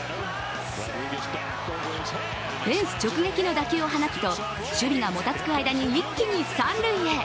フェンス直撃の打球を放つと守備がもたつく間に一気に三塁へ。